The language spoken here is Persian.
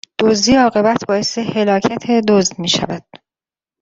دزدی، عاقبت باعث هلاکت دزد میشود